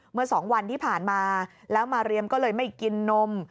เมื่อสองวันที่ผ่านมาแล้วมาเรียมก็เลยไม่กินนม